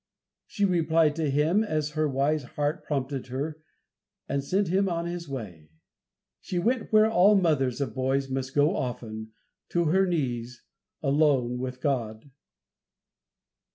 She replied to him as her wise heart prompted her, and sent him on his way. She went where all mothers of boys must so often go, to her knees, alone with God.